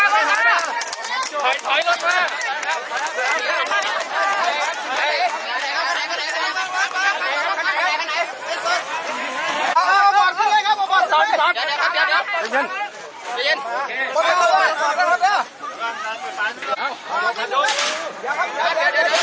นั้นด้วยครับรุ่นรุ่นกลับมาได้ครับรุ่นกลับมาได้ครับ